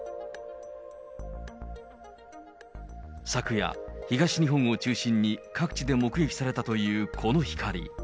昨夜、東日本を中心に各地で目撃されたというこの光。